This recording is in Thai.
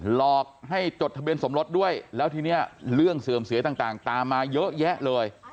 หลอกให้จดทะเบียนสมรสด้วยแล้วทีนี้เรื่องเสื่อมเสียต่างตามมาเยอะแยะเลย